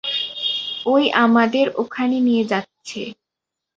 ওই আমাদের ওখানে নিয়ে যাচ্ছে।